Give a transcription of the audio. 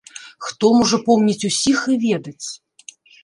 Хто можа помніць усіх і ведаць?!.